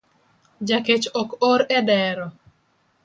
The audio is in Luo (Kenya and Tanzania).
Jakech ok or edero